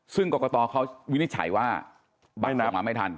ซึ่งกรกตเขาวินิจฉัยว่าใบหน้ามาไม่ทัน